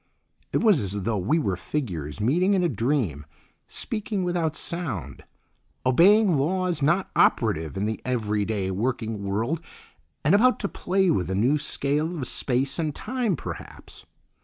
It was as though we were figures meeting in a dream, speaking without sound, obeying laws not operative in the everyday working world, and about to play with a new scale of space and time perhaps.